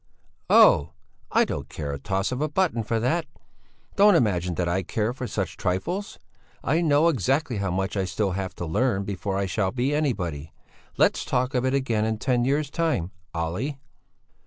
"Oh! I don't care the toss of a button for that! Don't imagine that I care for such trifles. I know exactly how much I still have to learn before I shall be anybody. Let's talk of it again in ten years' time, Olle."